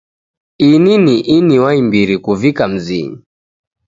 ini ni ini wa imbiri kuvika mzinyi.